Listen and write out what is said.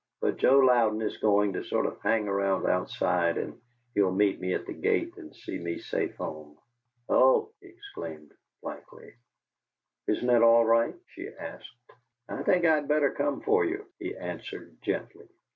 But Joe Louden is going to sort of hang around outside, and he'll meet me at the gate and see me safe home." "Oh!" he exclaimed, blankly. "Isn't it all right?" she asked. "I think I'd better come for you," he answered, gently.